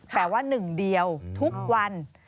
แต่ว่าหนึ่งเดียวทุกวัน